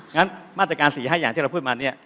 งั้นมาตรการ๔๕อย่างที่เราพูดมาเนี่ย